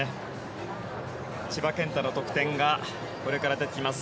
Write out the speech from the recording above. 千葉健太の得点がこれから出てきます。